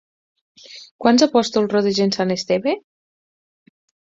Quants apòstols rodegen sant Esteve?